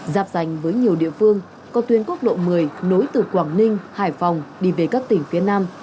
giáp danh với nhiều địa phương có tuyến quốc lộ một mươi nối từ quảng ninh hải phòng đi về các tỉnh phía nam